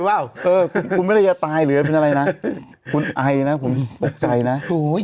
เออคุณไม่ได้ยาตายเหลือแล้วเป็นอะไรน่ะคุณไอนะผมปกใจน่ะถูย์